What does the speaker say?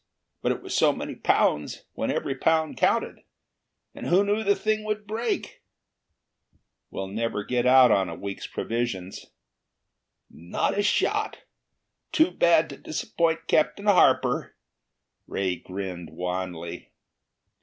But it was so many pounds, when every pound counted. And who knew the thing would break?" "We'll never get out on a week's provisions." "Not a shot! Too bad to disappoint Captain Harper." Ray grinned wanly.